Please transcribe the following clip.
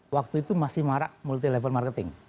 waktu itu masih marak multi level marketing